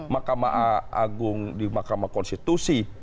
makam agung di makam konstitusi